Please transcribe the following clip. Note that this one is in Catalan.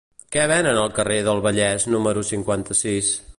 Què venen al carrer del Vallès número cinquanta-sis?